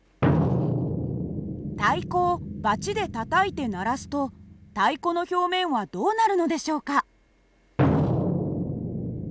太鼓をばちでたたいて鳴らすと太鼓の表面はどうなるのでしょうか？